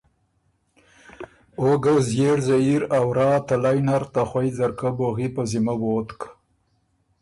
او ګۀ ݫئېړ زئیر ا ورا تلئ نر ته خوئ ځرکۀ بوغی په ذِمه ووتک